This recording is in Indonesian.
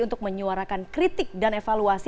untuk menyuarakan kritik dan evaluasi